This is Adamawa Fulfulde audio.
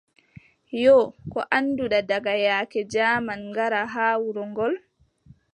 Yoo, koo annduɗa daka yaake jaaman ngara haa wuro ngol ?